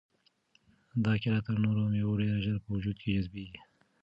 دا کیله تر نورو مېوو ډېر ژر په وجود کې جذبیږي.